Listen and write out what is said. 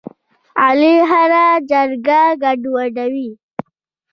علي هره جرګه ګډوډوي.